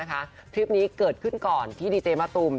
คลิปนี้เกิดขึ้นก่อนที่ดีเจมะตูม